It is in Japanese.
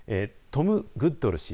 トム・グッドル氏